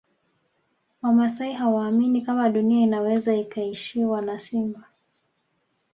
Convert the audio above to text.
Wamasai hawaamini kama Dunia inaweza ikaishiwa na simba